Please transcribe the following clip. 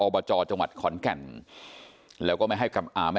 บจจังหวัดขอนแก่นแล้วก็ไม่ให้กับอ่าไม่